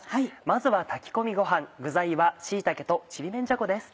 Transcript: まずは炊き込みごはん具材は椎茸とちりめんじゃこです。